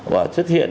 và xuất hiện